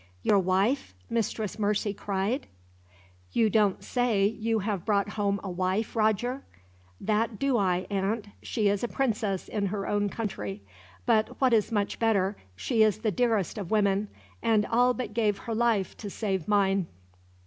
"Your wife?" Mistress Mercy cried. "You don't say you have brought home a wife, Roger?" "That do I, aunt. She is a princess, in her own country; but what is much better, she is the dearest of women, and all but gave her life to save mine."